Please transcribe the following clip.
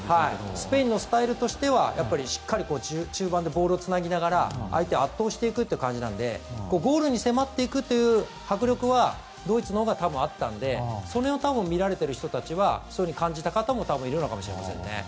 スペインのスタイルとしては中盤でボールをつなぎながら相手を圧倒していく感じなのでゴールに迫るという迫力はドイツのほうが多分あったのでそれを見られている人たちはそう感じた方もいるのかもしれませんね。